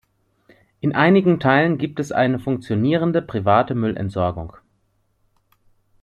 In einigen Teilen gibt es eine funktionierende private Müllentsorgung.